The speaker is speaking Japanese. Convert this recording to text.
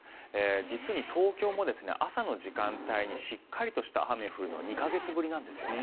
実に東京も朝の時間帯にしっかりとした雨が降るのは２か月ぶりなんですよね。